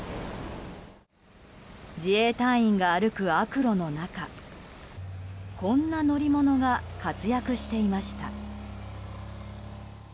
自衛隊員が歩く悪路の中こんな乗り物が活躍していました。